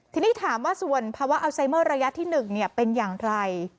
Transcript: ทีนี้ถามว่าส่วนภาวะอัลไซเมอร์ระยะที่๑เป็นอย่างไร